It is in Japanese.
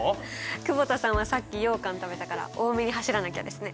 久保田さんはさっきようかん食べたから多めに走らなきゃですね。